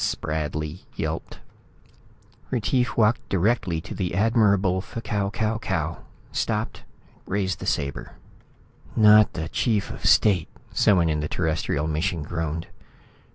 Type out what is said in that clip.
Spradley yelped. Retief walked directly to the Admirable F'Kau Kau Kau, stopped, raised the sabre. "Not the chief of state," someone in the Terrestrial mission groaned.